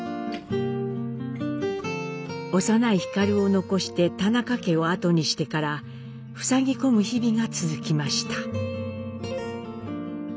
幼い皓を残して田中家を後にしてからふさぎ込む日々が続きました。